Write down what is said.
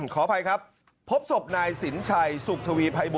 ขออภัยครับ